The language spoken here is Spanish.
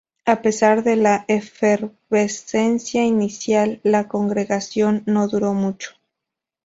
A pesar de la efervescencia inicial, las congregación no duró mucho.